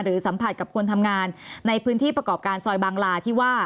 สัมผัสกับคนทำงานในพื้นที่ประกอบการซอยบางลาที่ว่า